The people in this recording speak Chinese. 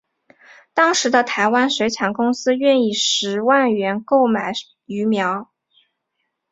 当时的台湾水产公司愿以十万元购买鱼苗。